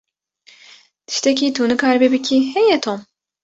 Tiştekî tu nikaribî bikî, heye Tom?